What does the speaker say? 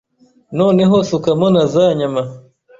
Noneho sukamo na za nyama